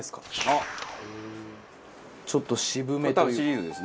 ちょっと渋めというか。